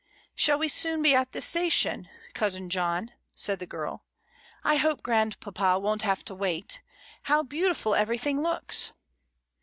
"Shall we soon be at the station, cousin John?" said the girl. "I hope grandpapa won't have to wait How beautiful everything looks."